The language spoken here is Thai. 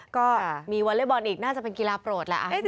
ก็มีวัลเลบอนอีกน่าจะเป็นกีฬาโปรดแล้ว